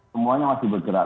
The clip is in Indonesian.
semuanya masih bergerak